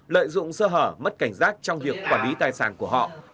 lợi dụng sơ hở mất cảnh giác trong việc quản lý tài sản của họ